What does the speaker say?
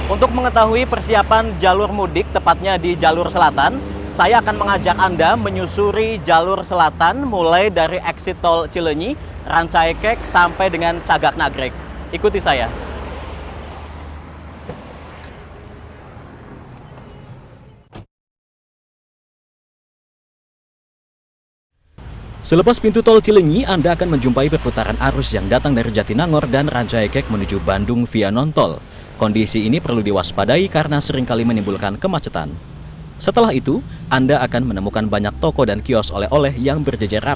untuk mengetahui persiapan jalur mudik tepatnya di jalur selatan saya akan mengajak anda menyusuri jalur selatan mulai dari eksitol cilenyi rancayakek sampai dengan cagak nagrek